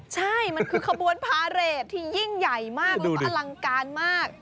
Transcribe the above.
ใช่มันคือขบวนพาเรทที่ยิ่งใหญ่มากแล้วก็อลังการมาก